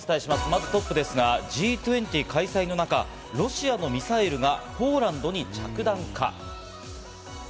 まずトップですが、Ｇ２０開催の中、ロシアのミサイルがポーランドに着弾か？